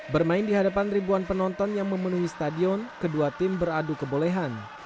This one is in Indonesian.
bermain di hadapan ribuan penonton yang memenuhi stadion kedua tim beradu kebolehan